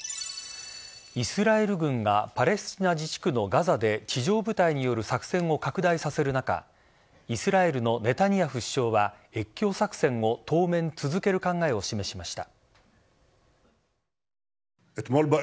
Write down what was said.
イスラエル軍がパレスチナ自治区のガザで地上部隊による作戦を拡大させる中イスラエルのネタニヤフ首相は越境作戦を当面続ける考えを示しました。